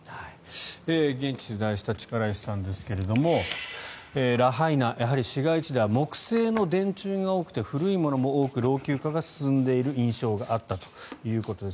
現地を取材した力石さんですがラハイナ、やはり市街地では木製の電柱が多くて古いものも多く老朽化が進んでいる印象があったということです。